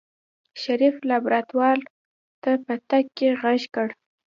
شريف لابراتوار ته په تګ کې غږ کړ.